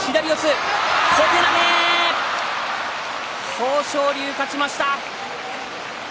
豊昇龍、勝ちました。